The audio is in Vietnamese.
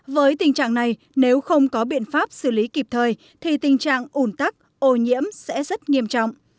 với tình trạng này nếu không có biện pháp xử lý kịp thời thì tình trạng ủn tắc ô nhiễm sẽ rất nghiêm trọng